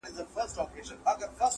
د اوبو زور یې په ژوند نه وو لیدلی!.